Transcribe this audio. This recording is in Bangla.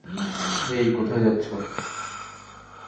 হেই, কোথায় যাচ্ছ?